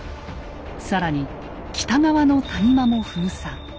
更に北側の谷間も封鎖。